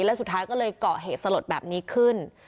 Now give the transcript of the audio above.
แล้วสุดท้ายก็เลยเกาะเหตุสลดแบบนี้ขึ้น